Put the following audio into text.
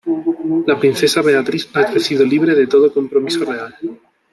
La princesa Beatriz ha crecido libre de todo compromiso real.